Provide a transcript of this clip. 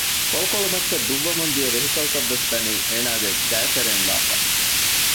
ކޮޅުކޮޅު މައްޗަށް ދުއްވަމުންދިޔަ ވެހިކަލްތައްވެސް ދަނީ އޭނާގެ ގައިތެރެއިން ލާފަ